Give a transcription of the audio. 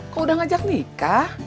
kok udah ngajak nikah